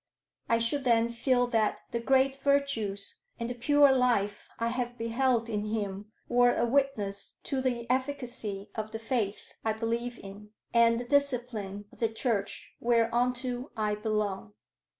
I should then feel that the great virtues and the pure life I have beheld in him were a witness to the efficacy of the faith I believe in and the discipline of the Church whereunto I belong."